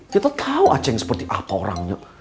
kita tahu aceh seperti apa orangnya